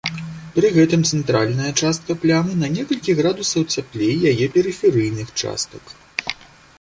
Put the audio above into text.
Пры гэтым цэнтральная частка плямы на некалькі градусаў цяплей яе перыферыйных частак.